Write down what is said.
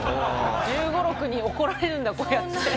１５１６に怒られるんだこうやって。